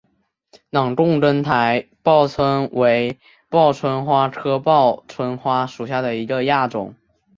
朗贡灯台报春为报春花科报春花属下的一个亚种。